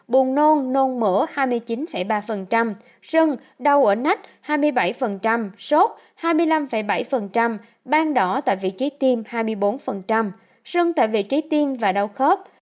buồn nôn nôn mỡ hai mươi chín ba sưng đau ở nách hai mươi bảy sốt hai mươi năm bảy bang đỏ tại vị trí tiêm hai mươi bốn sưng tại vị trí tiên và đau khớp